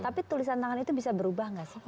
tapi tulisan tangan itu bisa berubah nggak sih